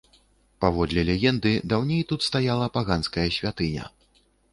Паводле легенды, даўней тут стаяла паганская святыня.